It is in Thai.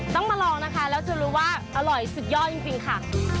ต้องมาลองนะคะแล้วจะรู้ว่าอร่อยสุดยอดจริงค่ะ